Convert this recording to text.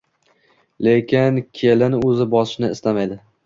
Lekin kelin o`zini bosishni istamaydi